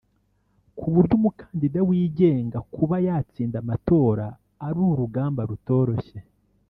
ku buryo umukandida wigenga kuba yatsinda amatora ari urugamba rutoroshye